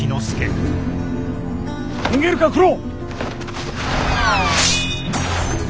逃げるか九郎！